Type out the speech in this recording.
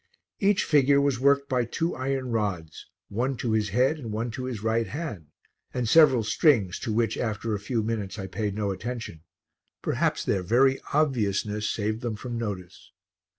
Each figure was worked by two iron rods, one to his head and one to his right hand, and several strings to which after a few minutes I paid no attention; perhaps their very obviousness saved them from notice.